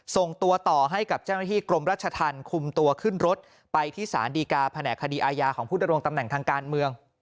ส่งตัวต่อให้กับเจ้าหน้าที่กรมราชธรรมคุมตัวขึ้นรถไปที่สารดีกาแผนกคดีอาญาของผู้ดำรงตำแหน่งทางการเมือง